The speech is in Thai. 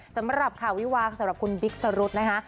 สำหรับข่าววิวางสำหรับคุณบิ๊กสรุธนะคะ